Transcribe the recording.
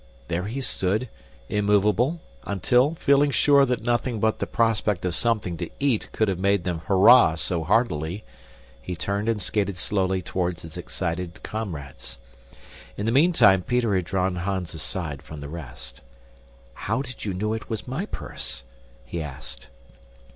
There he stood, immovable, until, feeling sure that nothing but the prospect of something to eat could have made them hurrah so heartily, he turned and skated slowly toward his excited comrades. In the meantime Peter had drawn Hans aside from the rest. "How did you know it was my purse?" he asked.